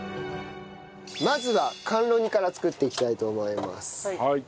まずは甘露煮から作っていきたいと思います。